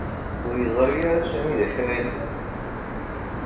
Ur yeẓri ara Sami d acu ad yexdem.